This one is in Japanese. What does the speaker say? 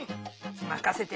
まかせて。